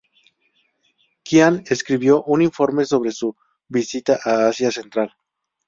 Qian escribió un informe sobre su visita a Asia central.